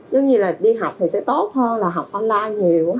giống như là đi học thì sẽ tốt hơn là học online nhiều